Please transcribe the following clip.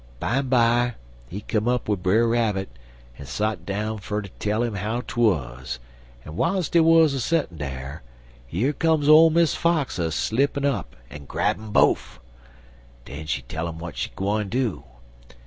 Bimeby, he come up wid Brer Rabbit, en sot down fer to tell 'im how 'twuz, en w'iles dey wuz a settin' dar, yer come ole Miss Fox a slippin' up en grab um bofe. Den she tell um w'at she gwine do.